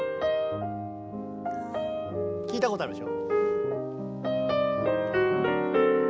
聞いたことあるでしょ。